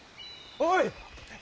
おい！